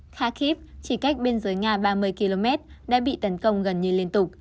khakip chỉ cách biên giới nga ba mươi km đã bị tấn công gần như liên tục